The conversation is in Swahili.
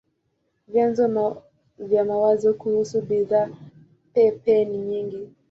Vyanzo vya mawazo kuhusu bidhaa pepe ni nyingi.